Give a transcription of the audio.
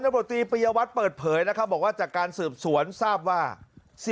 หาวหาวหาวหาวหาวหาวหาวหาวหาวหาว